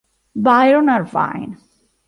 Byron Irvin